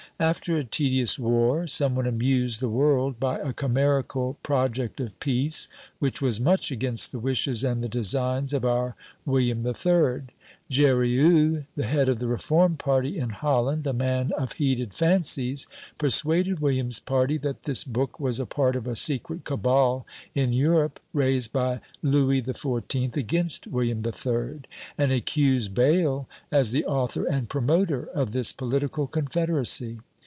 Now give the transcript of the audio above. After a tedious war, some one amused the world by a chimerical "Project of Peace," which was much against the wishes and the designs of our William the Third. Jurieu, the head of the Reformed party in Holland, a man of heated fancies, persuaded William's party that this book was a part of a secret cabal in Europe, raised by Louis the Fourteenth against William the Third; and accused Bayle as the author and promoter of this political confederacy.